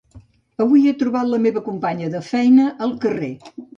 Avui he trobat la meva companya de feina al carrer.